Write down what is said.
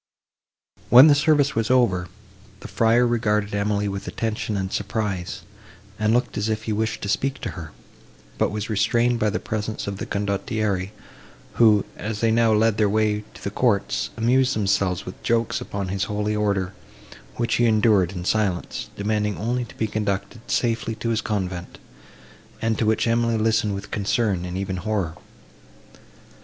When the service was over, the friar regarded Emily with attention and surprise, and looked as if he wished to speak to her, but was restrained by the presence of the condottieri, who, as they now led the way to the courts, amused themselves with jokes upon his holy order, which he endured in silence, demanding only to be conducted safely to his convent, and to which Emily listened with concern and even horror.